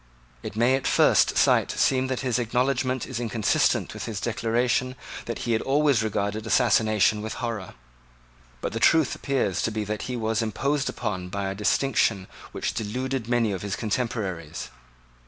It may at first sight seem that this acknowledgment is inconsistent with his declaration that he had always regarded assassination with horror. But the truth appears to be that he was imposed upon by a distinction which deluded many of his contemporaries.